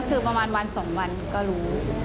คือประมาณวัน๒วันก็รู้